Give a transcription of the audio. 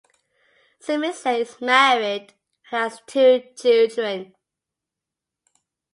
Smisek is married and has two children.